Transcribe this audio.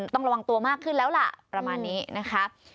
ต้องระวังตัวมากขึ้นแล้วล่ะประมาณนี้นะคะ